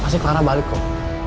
pasti clara balik kok